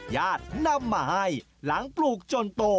ญาตินำมาให้หลังปลูกจนโต